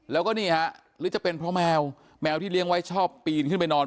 แล้วก็นี่ฮะหรือจะเป็นเพราะแมวแมวที่เลี้ยงไว้ชอบปีนขึ้นไปนอน